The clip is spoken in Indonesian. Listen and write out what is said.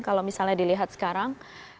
kalau misalnya dilihat sekarang